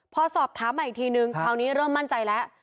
พอสอบถามใหม่อีกทีนึงคราวนี้เริ่มมั่นใจแล้ว